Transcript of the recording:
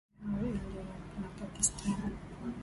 nawapata wenyewe hao india na pakistani